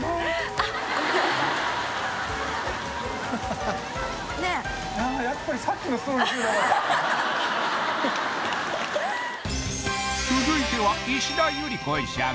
ああ続いては石田ゆり子さん